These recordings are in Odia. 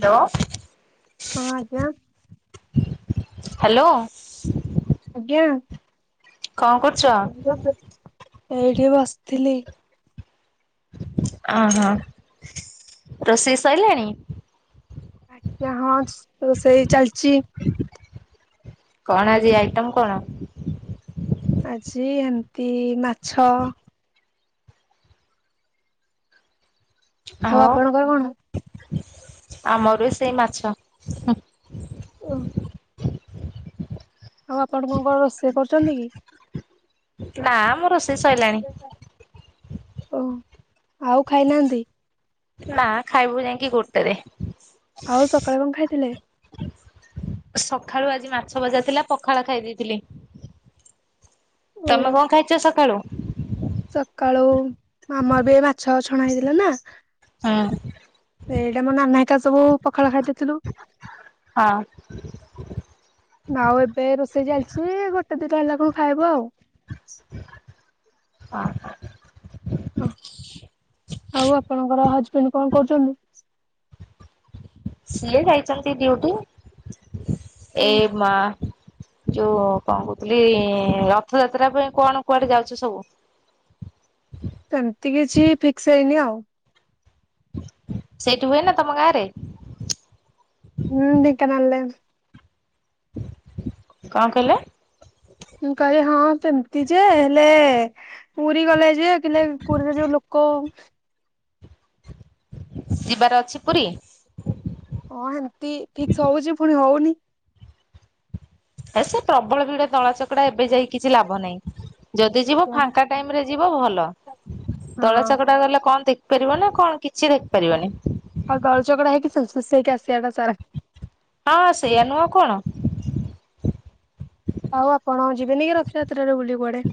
ହ୍ୟାଲୋ। ହଁ ଆଜ୍ଞା ହ୍ୟାଲୋ। ଆଜ୍ଞା। କଣ କରୁଛ? ଏଇଠି ବସିଥିଲି। ଅହୋ ରୋଷେଇ ସରିଲାଣି? ଆଜ୍ଞା ହଁ ତ ସେଇ ଚାଲିଛି। କଣ ଆଜି ଆଇଟମ କଣ? ଆଜି ଏମତି ମାଛ ହଉ ଆଉ ଆପଣଙ୍କ କଣ? ଆମର ସେଇ ମାଛ [unintelligible] ଆଉ ଆପଣଙ୍କ କଣ ରୋଷେଇ କରୁଛନ୍ତି କି? ନା ମୁଁ ରୋଷେଇ ସରିଲାଣି। ଓ ଆଉ ଖାଇନାହାନ୍ତି? ନା ଖାଇବୁ ଯାଇକି ଗୋଟେରେ। ଆଉ ସକାଳେ କଣ ଖାଇଥିଲେ? ସକାଳୁ ଆଜି ମାଛ ଭଜା ଥିଲା ପଖାଳ ଖାଇ ଦେଇେଇଥିଲି। ଓ ତମେ କଣ ଖାଇଛ ସକାଳୁ? ସକାଳୁ ମମ ବି ମାଛ ଛଣା ହେଇଥିଲା ନା ହଁ। ସେଇଟା ମୋ ନାନା ହେରିକା ସବୁ ପଖାଳ ଖାଇ ଦେଇେଇଥିଲୁ। ହଁ। ଆଉ ଏବେ ରୋଷେଇ ଚାଲିଛୁ ଗୋଟେ ଦିଟା ହେଲା ବେଳକୁ ଖାଇବୁ ଆଉ। ହଁ ଅ ଆଉ ଆପଣଙ୍କର ହଜବେଣ୍ଡ କଣ କରୁଛନ୍ତି? ସେ ଯାଇଛନ୍ତି ଡିଉଟି ଏ ମା ଯୋଉ କଣ କହୁଥିଲି ରଥଯାତ୍ରା ପାଇଁ କଣ କୁଆଡେ ଯାଉଛ ସବୁ? ସେମିତି କିଛି ଫିକ୍ସ ହେଇନି ଆଉ। ସେଇଠି ହୁଏ ନା ତମ ଗାଁରେ? ହୁଁ ଢେଙ୍କାନାଳ ରେ କଣ କହିଲେ? ମୁଁ କହିଲି ହଁ ସେମିତି ଯେ ହେଲେ ପୁରୀ ଗଲେ ଯେେ ପୁରୀରେ ଯୋଉ ଲୋକ କ ଯିବାର ଅଛି ପୁରୀ ହଁ ସେମତି ଠିକ୍ସ ହଉଛି ପୁଣି ହଉନି ଏ ସେ ପ୍ରବଳ ବି ଗୁଟେ ତଳା ଚକଡା ଏବେ ଯାଇ କିଛି ଲାଭ ନାହିଁ ଯଦି ଯିବ ହଁ ଫାଙ୍କା ଟାଇମ ରେ ଯିବ ଭଲ ତଳ ଚାକଟା ଗଲେ କଣଖ ଦେଖପାରିବ ନା କଣ କିଛି ଦେଖିପାରିବନି ଆଉ ଗଳ ଗଡା ହେଇକି ସଂସୃସ ହେଇକି ଆସିବାଟା ସାରା ହଁ ସେଇଆା ନୁହଁ କଣ ଆଉ ଆପଣ ଯିବେନି କି ରଥଯାତ୍ରାରେ ବୁଲି କୁଆଡେ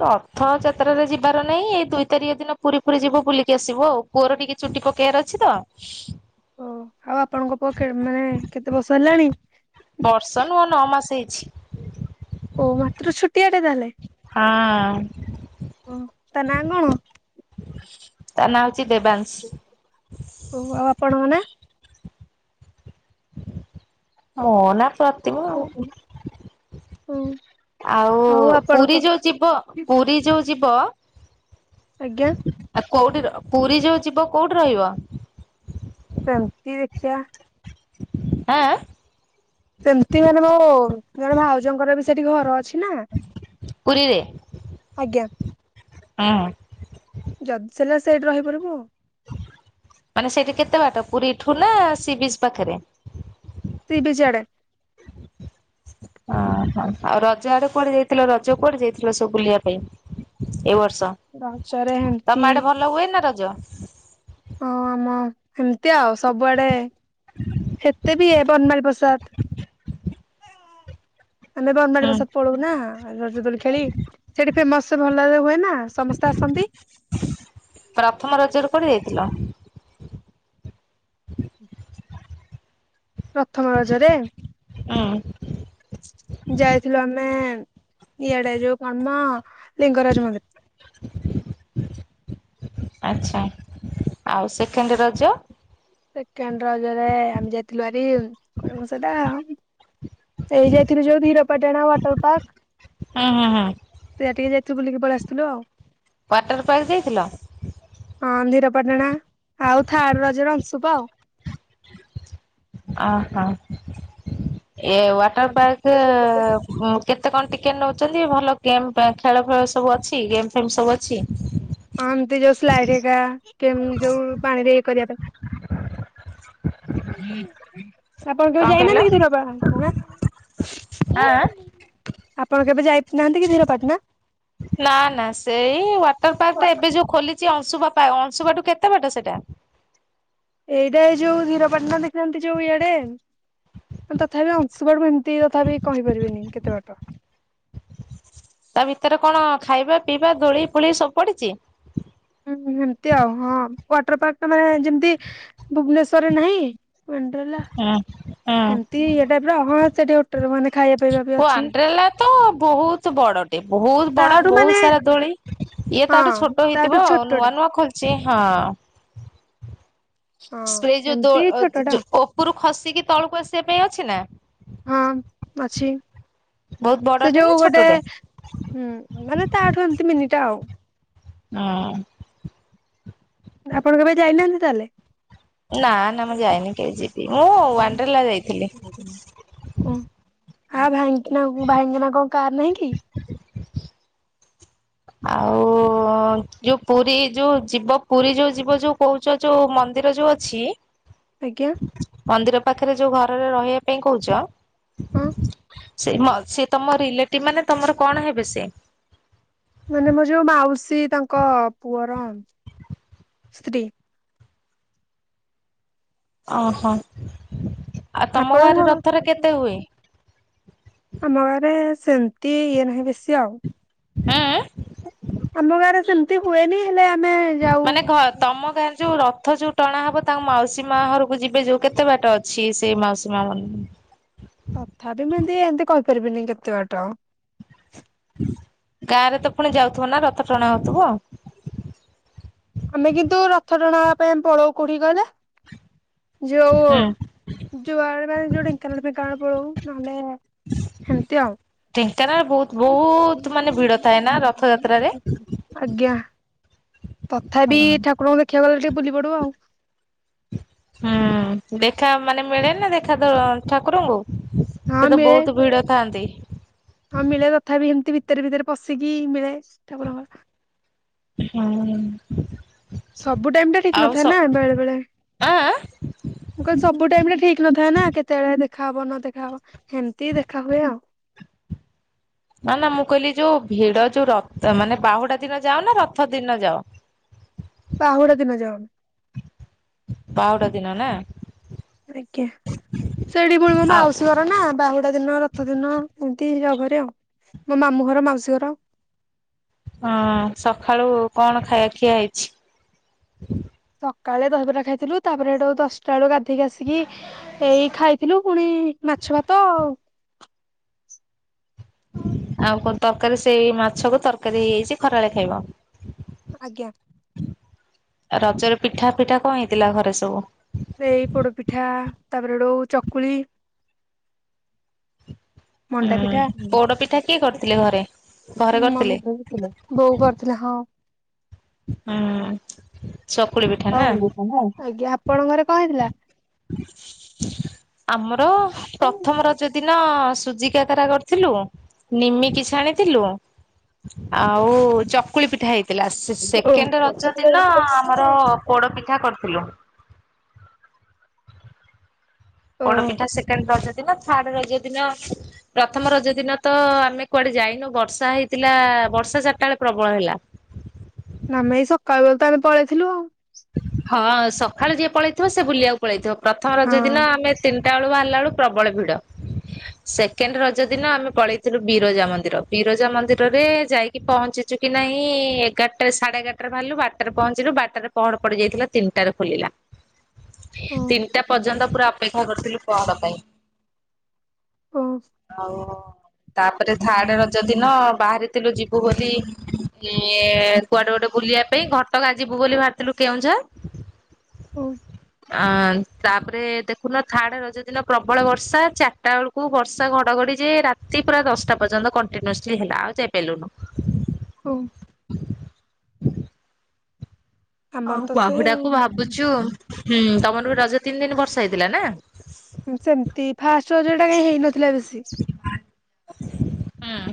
ରର୍ଥଯାତ୍ରାରେ ଯିବାର ନାହିଁ ଏଇ ଦୁଇ ତାରିଖ ଦିନ ପୁରୀ ପୁରୀ ଯିବୁ ବୁଲିକି ଆସିବ ଆଉ ପୁଅର ଟିକେ ଚୁଟି କ କେୟାର ଅଛି ତ ଓ ଆଉ ଆପଣଙ୍କ ପକ୍ଷେ ମାନେ କେତେ ବର୍ଷ ହେଲାଣି ଛି ଓ ମାତ୍ର ଛୁଟିଆ ଟେ ତାହଲେ ହଁ ହଁ ତା ନାଁ କଣ ତା ନାଁ ହଉଛି ଦେବାଂଶ ଓ ଆଉ ଆପଣଙ୍କ ନାଁ? ମୋନା ପ୍ରତିମା ଓ ଆଉ ପୁରୀ ଯୋଉ ଯିବ ପୁରୀ ଯୋଉ ଯିବ ଆଜ୍ଞା କୋଉଠି ପୁରୀ ଯୋଉ ଯିବ କୋଉଠି ରହିବ ପମତି ଦେଖିବା ଆଁ ସେମିତି ମାନେ ମୋ ଜଣେ ଭାଉଜଙ୍କର ବି ସେଠି ଘର ଅଛି ନା କୁଡ଼ିିଲେ ଆଜ୍ଞା ହଁ ଯଦି ସରିଲା ସେଇଠି ରହିପାରିବୁ ଆଉ ମାନେ ସେଇଠି କେତେ ବାଟ ପୁରୀଠୁ ନା ସି ବିଚ୍ ପାଖରେ ସି ବିିଚ୍ ଆଡେ ଓହୋ ଆଉ ରଜ ଆଡେ କୁଆଡେ ଯାଇଥିଲ ରଜ କୁଆଡେ ଯାଇଥିଲ ସବୁ ବୁଲିବା ପାଇଁ ଏଇ ବର୍ଷ ରଜରେ ହେମତି ତମ ଆଡେ ଭଲ ହୁଏ ନା ରଜ ହଁ ଆମ ଏମିତି ଆଉ ସବୁଆଡେ ସେତେ ବି ବନମାଲି ପ୍ରସାଦ ଆମେ ବନମାଳି ହୁଁ ପ୍ରସାଦ ପଳଉନା ରଜଦୋଳି ଖେଳି ସେଠି ଫେମସ ଭଲରେ ହୁଏ ନା ସମସ୍ତେ ଆସନ୍ତି ପ୍ରଥମ ରଜରେ କୁଆଡେ ଯାଇଥିଲ ହୁଁ ପ୍ରଥମ ରଜରେ ହୁଁ ଯାଇଥିଲୁ ଆମେ ଇଆଡେ ଯୋଉ କଣ ମ ଲିଙ୍ଗରାଜ ମନ୍ଦିର ଆଚ୍ଛା ଆଉ ସେକେଣ୍ଡ ରଜ ସେକେଣ୍ଡ ରଜରେ ଆମେ ଯାଇଥିଲୁ ହେରି କୁଆଡେ ତ ସେଇଟା ସେ ଯାଇଥିଲୁ ଯୋଉ ହିରପାଟଣା ୱାଟର ପାର୍କ ହୁଁ ହୁଁ ସେଠିକ ଯାଇ ବୁଲିକି ପଳେଇ ଆସି ଥିଲୁ ଆଉ ୱାଟର ପାର୍କ ଯାଇଥିଲ ହଁ ଧିରପାଟଣା ଆଉ ଥାର୍ଡ ରଜର ଅଂଶୁପା ଆଉ ଅହା ଏ ୱାଟର ପାର୍କ ହଁ କେତେ କଣ ଟିକେଟ ନେଉଛନ୍ତି ଭଲ ଗେମ୍ ଖେଳ ଫେଳ ସବୁ ଅଛି ଗେମ୍ ଫେମ ସବୁ ଅଛି ଏମତି ଯୋଉ ସ୍ଲାଇଡ ହେରିକା ଯେମତି ଯୋଉ ପାଣିରେ କରିବା ପାଇଁ ଆପଣ କେବେ କଣ କହିଲ ଯାଇନାହାନ୍ତି କେବେ ୱାଟର ପାର୍କ ଆଁ? ଆପଣ କେବେ ଯାଇନାହାନ୍ତି କି ଧୀରପାଟଣା ନା ନା ସେଇ ୱାଟର ପାର୍କଟା ଏବେ ଯୋଉ ଖୋଲିଛି ଅଂଶୁପା ଟା ଅଂଶୁପା ଠୁ କେତେ ବାଟ ସେଇଟା ଏଇଟା ଏ ଯୋଉ ହୀରପାଟଣା ଦେଖିନାହାନ୍ତି ଯୋଉ ଇଆଡେ ତଥାପି ଅଂଶୁପା ମୁ ଏମିତି ତଥାପି କହିପାରିବିନି କେତେ ବାଟ ତା ଭିତରେ କଣ ଖାଇବା ପିଇବା ଦୋଳି ଫୋଳି ସବୁ ପଡିଛି ହୁଁ ସେମତି ଆଉ ହଁ ୱାଟର ପାର୍କଟା ମାନେ ଯେମତି ଭୁବନେଶ୍ଵରରେ ନାହିଁ ୱଣ୍ଡ୍ରେଲା ହୁଁ ହୁଁ ଏମତି ଏଟା ପୁରା ହଁ ସେଡିଟରେ ମାନେ [unintelligible] ବି ଅଛି ୱଣ୍ଡ୍ରେଲା ତ ବହୁତ ବଡ ଟେ ବହୁତ ବଡ ତାଠୁ ବହୁତ ସାରା ମାନେ ଦୋଳି ଇଏ। ତାଠୁ ହଁ ଛୋଟ ତାଠୁ ହେଇଥିବ ଆଉ ଛୋଟଟା ନୂଆ ନୂଆ ଖୋଲିଛି ହଁ ହଁ ସ୍ପ୍ରେ ଏମିତି ଛୋଟଟା ଆଉ। ଯୋଉ ଉପରୁ ଖସିକି ତଳକୁ ଆସିବା ପାଇଁ ଅଛି ନା ହଁ ଅଛି। ବହୁତ ସେ ବଡଟେ ନା ଯୋଉ ଗୋଟେ ଛୋଟଟେ? ହଁ ମାନେ ତାଠୁ ଏମିତି ମିନିଟା ଆଉ ହଁ ଆପଣ କେବେ ଯାଇନାହାନ୍ତି ତାହେଲେ ନା ନା ମୁଁ ଯାଇନି କେହି ଯିବି ମୁଁ ୱାଣ୍ଡ୍ରେଲା ଯାଇଥିଲି ଓ ହଁ ଭାଇଙ୍କିନା ଭାଇଙ୍କିନା କଣ କାର ନାହିଁ କି ଆଉ ଯୋଉ ପୁରୀ ଯୋଉ ଯିବ ପୁରୀ ଯୋଉ ଯିବ ଯୋଉ କହୁଛ ଯୋଉ ମନ୍ଦିର ଯୋଉ ଅଛି ଆଜ୍ଞା ମନ୍ଦିର ପାଖରେ ଯୋଉ ଘରରେ ରହିବା ପାଇଁ କହୁଛ। ହଁ ସେ ସେ ତମ ରିଲେଟିଭ ମାନେ ତମର କଣ ହେବେ ସେ ମାନେ ମୋର ଯୋଉ ମାଉସୀ ତାଙ୍କ ପୁଅର ସ୍ତ୍ରୀ ଓ ହୋ ଆପଣଙ୍କର ଆମ ଗାଁରେ [unintelligible] [inaudible] ସେମିତି ଇଏ ନାହିଁ ବେଶୀ ଆଉ ହଁ [unintelligible] ଆମ ଗାଁରେ ସେମିତି ହୁଏନି ହେଲେ ଆମେ ଯାଉ ମାନେ ଘ ତମ ଗାଁରେ [unintelligible] ଯୋଉ ରଥ ଯୋଉ ଟଣା ହବ ତାଙ୍କ ମାଉସୀ ମା ଘରକୁ ଯିବେ ଯୋଉ କେତେ ବାଟ ଅଛି ସେଇ ମାଉସୀ ମା ମନ୍ଦିର ପାରିବିନି କେତେ ବାଟ ଗାଁରେ ତ ପୁଣି ଯାଉଥିବ ନା ରଥ ଟଣା ହଉଥିବ ଆମେ କିନ୍ତୁ ରଥ ଟଣା ହେବା ପାଇଁ ପଳଉ କୋଉଠିକି କହିଲେ ଯ ଯୁଉ ନଲେ [unintelligible] ସେମିତି ଆଉ ବହୁତ ବହୁତ ମାନେ ଭିଡ ଥାଏ ନା ରଥଯାତ୍ରାରେ ଆଜ୍ଞା ତଥାପି ଠାକୁରଙ୍କୁ ଦେଖିବାକୁ ଗଲେ ଟିକେ ବୁଲି ପଡିବ ଆଉ ହୁଁ ଦେଖା ମାନେ ମିଳେନା ଦେଖା ଠାକୁରଙ୍କୁ ହଁ ସେ ତ ମିଳେ ବହୁତ ଭିଡ ଥାଆନ୍ତି ହଁ ମିଳେ ତଥାପି ଏମତି ଭିତରେ ଭିତରେ ପଶିକି ମିଳେ ଠାକୁରଙ୍କର ହୁଁ। ସବୁ ଟାଇମ ଟା ଠିକ ଆଉ ସ ନଥାଏ ନା ବେଳେ ବେଳେ ଆଁ ଆଁ ମୁଁ କହିଲି ସବୁ ଟାଇରେ ଠିକ ନଥାଏ ନା କେତେବେଳେ ଦେଖା ହବ ନ ଦେଖା ହବ ହେମିତି ଦେଖା ହୁଏ ଆଉ ନା ନା ମୁଁ କହିଲି ଯୋଉ ଭିଡ ଯୋଉ ରଥ ମାନେ ବାହୁଡା ଦିନ ଯାଅ ନା ରଥ ଦିନ ଯାଅ। ବାହୁଡ଼ା ଦିନ ଯାଉ। ବାହୁଡା ଦିନ ନା। ଆଜ୍ଞା ସେଠି ପୁଣି ମୋ ଆଉ ମାଉସୀ ଘର ନା ବାହୁଡା ଦିନ ରଥ ଦିନ ଏମତି ଯାଉ। ଘରେ ଆଉ। ମୋ ମାମୁଁ ଘର, ମାଉସୀ ଘର ହଁ ସଖାଳୁ କଣ ଖାଇବା ଖିଆ ହେଇଛି? ସକାଳେ ଦହିବରା ଖାଇଥିଲୁ। ତାପରେ ଏଠୁ ଦଶଟା ବେଳକୁ ଗାଧେଇକି ଆସିକି ଏଇ ଖାଇଥିଲୁ ପୁଣି ମାଛ ଭାତ ଆଉ। ଆଉ କଣ ତରକାରୀ ସେଇ ମାଛକୁ ତରକାରୀ ହେଇଯାଇଛି ଖରାବେଳେ ଖାଇବ? ଆଜ୍ଞା। ରଜରେ ପିଠା ଫିଠା କଣ ହେଇଥିଲା ଘରେ ସବୁ? ସେଇ ପୋଡପିଠା, ତାପରେ ଡଉ ଚକୁଳି ମଣ୍ଡା ହୁଁ ପିଠା ପୋଡ ପିଠା କିଏ କରିଥିଲେ ଘରେ? ମମି କରିଥିଲେ? ବୋଉ କରିଥିଲେ ହଁ। ହୁଁ। ଚକୁଳି ପିଠା ନା? ହଉ ଆଜ୍ଞା ଆପଣଙ୍କ ଘରେ କଣ ହେଇଥିଲା? ଆମର ପ୍ରଥମ ରଜ ଦିନ ସୁଜି କାକରା କରିଥିଲୁ, ନିମିକି ଛାଣିଥିଲୁ ଆଉ ଚକୁଳି ପିଠା ହେଇ ଥିଲା। ସେ-ସେକେଣ୍ଡ ରଜ ଦିନ ଆମର ପୋଡ ପିଠା କରିଥିଲୁ। ଓ ପୋଡପିଠା ସେକେଣ୍ଡ ରଜ ଦିନ, ଥାର୍ଡ ରଜ ଦିନ ପ୍ରଥମ ରଜ ଦିନ ତ ଆମେ କୁଆଡେ ଯାଇନୁ ବର୍ଷା ହେଇଥିଲା ବର୍ଷା ଚାରିଟା ବେଳେ ପ୍ରବଳ ହେଲା। ହ [inaudible] ତ ଆମେ ପଳେଇଥିଲୁ ଆଉ। ହଁ ସଖାଳୁ ଯିଏ ପଳେଇଥିବ ସେ ବୁଲିବାକୁ ପଳେଇଥିବ। ପ୍ରଥମ ରଜ ଦିନ ଆମେ ତିନିଟା ବେଳୁ ବାହା ରିଲା ବେଳୁ ପ୍ରବଳ ଭିଡ଼। ସେକେଣ୍ଡ ରଜ ଦିନ ଆମେ ପଳେଇଥିଲୁ ବିରଜା ମନ୍ଦିର। ବିରଜା ମନ୍ଦିରରେ ଯାଇକି ପହଞ୍ଚି ଚୁ କି ନାହିଁ, ଏଗାରଟା ସାଢେ ଏଗାରଟାରେ ବାହାରିଲୁ ବାରଟାରେ ପହଞ୍ଚିଲୁ ବାରଟାରେ ପହଡ଼ ପଡି ଯାଇଥିଲା ତିନିଟାରେ ଖୋଲିଲା। ହଁ। ତିନିଟା ପର୍ଯ୍ୟନ୍ତ ପୁରା ଅପେକ୍ଷା କରିଥିଲୁ ପହଡ଼ ପାଇଁ। ଓ ଓ ଆଉ ତାପରେ ଥାର୍ଡ ରଜ ଦିନ ବାହାରିଥିଲୁ ଯିବୁ ବୋଲି ଏ କୁଆଡେ ଗୋଟେ ବୁଲିବା ପାଇଁ ଘଟଗାଁ ଯିବୁ ବୋଲି ବାହାରିଥିଲୁ କେଉଁଝର ହଉ। ଆ ତାପରେ ଦେଖୁନ ଥାର୍ଡ ରଜ ଦିନ ପ୍ରବଳ ବର୍ଷା। ଚାରିଟା ବେଳକୁ ବର୍ଷା ଘଡଘଡି ଯେ ରାତି ପୁରା ଦଶଟା ପର୍ଯ୍ୟନ୍ତ କଣ୍ଟିନିଅସ୍ଲି ହେଲା। ଆଉ ଯାଇପାଇଲୁନୁ। ହଉ। ଆମର ଆଉ ତ ସେଇ ଆଉ ବାହୁଡାକୁ ଭାବୁଛୁ ହୁଁ। ତମର ବି ରଜ ତିନି ଦିନ ବର୍ଷା ହେଇଥିଲା ନା? ହୁଁ ସେମତି ଫାଷ୍ଟ ରଜ ଟା କାଇଁ ହେଇନଥିଲା ବେଶୀ। ହଁ।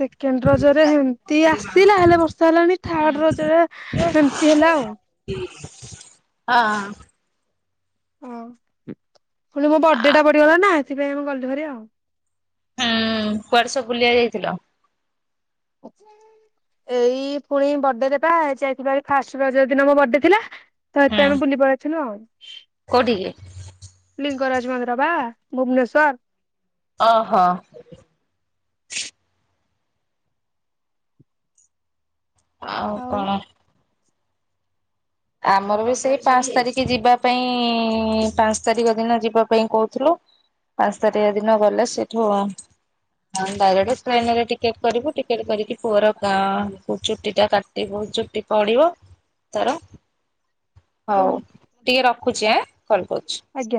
ସେକେଣ୍ଡ ରଜରେ ସେମତି ଆସିଲା ହେଲେ ବର୍ଷା ହେଲାନି। ଥାର୍ଡ ରଜରେ ସେମତି ହେ ଲା ଆଉ। ହଁ ହଁ। ହଉ। ପୁଣି ମୋ ବଡେ ଟା ପଡିଗଲା ନା ସେଥିପାଇଁ ଆମେ ଗଲୁ ଭାରି ଆଉ। [inaudible] ହୁଁ କୁଆଡେ ସବୁ ବୁଲିବାକୁ ଯାଇଥିଲ? ଏଇ ପୁଣି ବଡେରେ ପା ଯାଇଥିଲୁ ଭାରି ଫାର୍ଷ୍ଟ ରଜ ଦିନ ମୋ ବଡେ ଥିଲା। ତ ଏଥିପାଇଁ ହୁଁ ଆମେ ବୁଲି ପଳେଇଥିଲୁ ଆଉ। କୋଉଠିକି? ଲିଙ୍ଗରାଜ ମନ୍ଦିର ପା ଭୁବନେଶ୍ୱର। ଓହୋ। ଆଉ କଣ? ଆମର ବି ସେଇ ପାଞ୍ଚ ତାରିଖ ଯିବା ପାଇଁ ପାଞ୍ଚ ତାରିଖ ଦିନ ଯିବା ପାଇଁ କହୁଥୁଲୁ। ପାଞ୍ଚ ତାରିଖ ଦିନ ଗଲେ ସେଇଠୁ ହୁ ହଁ ଡାଇରେକ୍ଟ ଟ୍ରେନ ରେ ଟିକେଟ କରିବୁ ଟିକେଟ କରିକି ପୁଅର ଗାଁ ଚୁଟି ଟା କାଟିବୁ। ଚୁଟି ପଡିବ ତାର। ହଉ ମୁଁ ଟିକେ ରଖୁଛି ଆଁ କଲ କରୁଛି। ଆଜ୍ଞା।